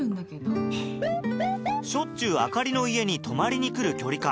しょっちゅう朱里の家に泊まりに来る距離感